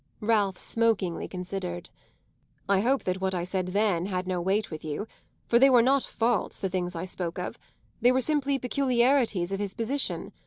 Ralph smokingly considered. "I hope that what I said then had no weight with you; for they were not faults, the things I spoke of: they were simply peculiarities of his position.